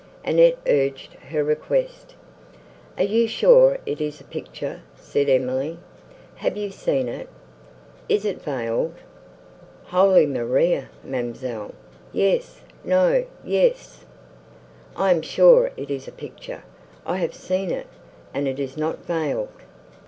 Annette urged her request. "Are you sure it is a picture?" said Emily, "Have you seen it?—Is it veiled?" "Holy Maria! ma'amselle, yes, no, yes. I am sure it is a picture—I have seen it, and it is not veiled!"